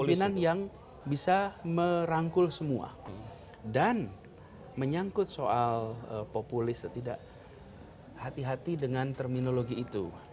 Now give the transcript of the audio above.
kepemimpinan yang bisa merangkul semua dan menyangkut soal populis hati hati dengan terminologi itu